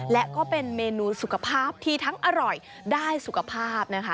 และก็เป็นเมนูสุขภาพที่ทั้งอร่อยได้สุขภาพนะคะ